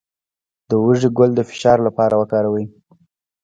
د هوږې ګل د فشار لپاره وکاروئ